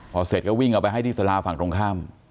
พอเสร็จก็วิ่งเอาไปให้ที่สาราฝั่งตรงข้าม